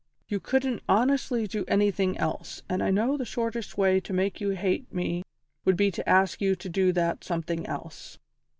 "You couldn't honestly do anything else, and I know the shortest way to make you hate me would be to ask you to do that something else.